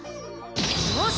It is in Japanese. よし！